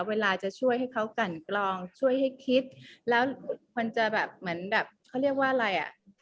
เวลาจะช่วยให้เขากันกรองช่วยให้คิดแล้วมันจะแบบเหมือนแบบเขาเรียกว่าอะไรอ่ะ